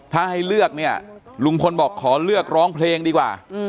ถ้าให้เลือกเนี่ยลุงพลบอกขอเลือกร้องเพลงดีกว่า